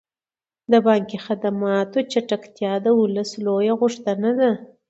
د بانکي خدماتو چټکتیا د ولس لویه غوښتنه ده.